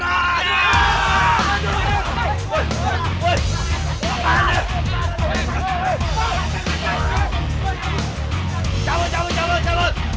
ada yang semua